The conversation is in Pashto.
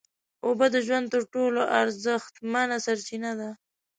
اوبه د ژوند تر ټولو ارزښتمنه سرچینه ده